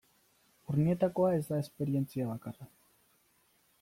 Urnietakoa ez da esperientzia bakarra.